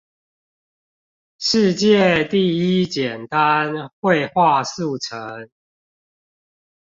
世界第一簡單會話速成